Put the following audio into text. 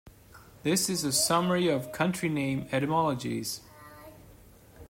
This is a summary of country name etymologies.